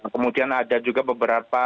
kemudian ada juga beberapa